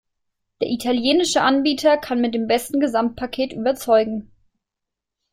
Der italienische Anbieter kann mit dem besten Gesamtpaket überzeugen.